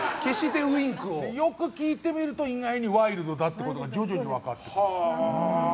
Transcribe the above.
よく聞いてみると意外にワイルドだということが徐々に分かってくる。